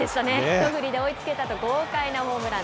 一振りで追いつけたと豪快なホームラン。